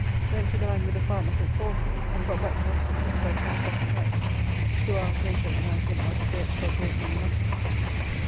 _ Went to dine with the farmers at Salisbury, and got back to Uphusband by ten o'clock at night, two hours later than I have been out of bed for a great many months.